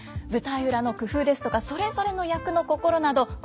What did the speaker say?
舞台裏の工夫ですとかそれぞれの役の心など